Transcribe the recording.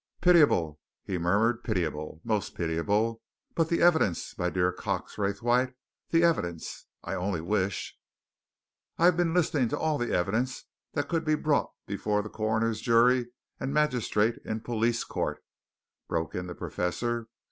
"Pitiable!" he murmured. "Pitiable, most pitiable! But the evidence, my dear Cox Raythwaite, the evidence! I only wish " "I've been listening to all the evidence that could be brought before coroner's jury and magistrate in police court," broke in the Professor.